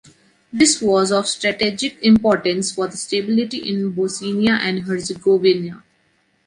This was of strategic importance for stability in Bosnia and Herzegovina.